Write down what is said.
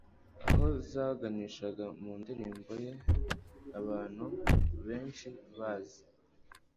aho zaganishaga mu ndirimbo ye abantu benshi bazi